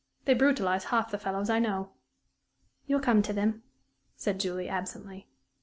They brutalize half the fellows I know." "You'll come to them," said Julie, absently.